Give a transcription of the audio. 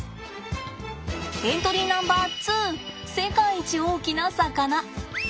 エントリーナンバーツー世界一大きな魚！